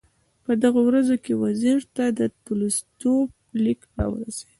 په دغو ورځو کې وزیر ته د ستولیتوف لیک راورسېد.